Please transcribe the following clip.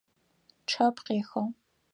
Чъэп къехыгъ.